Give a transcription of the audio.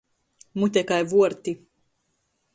Mute kai vuorti.